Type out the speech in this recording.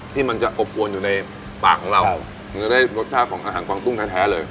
ที่มันจะอบอวนอยู่ในปากของเรามันจะได้รสชาติของอาหารกวางตุ้งแท้เลย